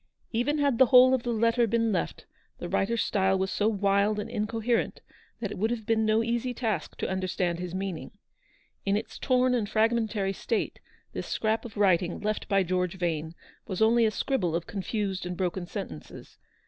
Even had the whole of the letter been left, the writer's style was so wild and incoherent that it would have been no easy task to understand his meaning. In its torn and fragmentary state, this scrap of writing left by George Vane was only a scribble of confused and broken sentences.